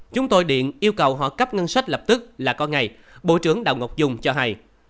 chúng tôi điện yêu cầu họ cấp ngân sách lập tức là con ngày bộ trưởng đào ngọc dung cho hay